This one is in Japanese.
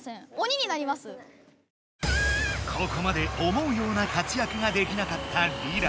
ここまで思うような活やくができなかったリラ。